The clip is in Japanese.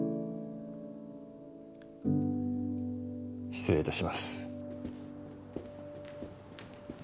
失礼いたします。